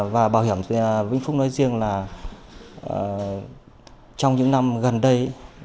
và bảo hiểm vĩnh phúc nói riêng là trong những năm gần đây